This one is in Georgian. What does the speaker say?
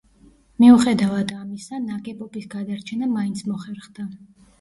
მიუხედავად ამისა, ნაგებობის გადარჩენა მაინც მოხერხდა.